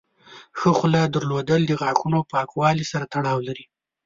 ښه خوله درلودل د غاښونو پاکوالي سره تړاو لري.